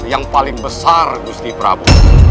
yang paling besar gusti prabowo